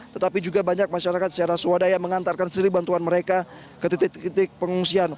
tetapi juga banyak masyarakat secara swadaya mengantarkan sendiri bantuan mereka ke titik titik pengungsian